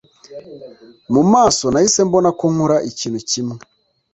mu maso. nahise mbona ko nkora ikintu kimwe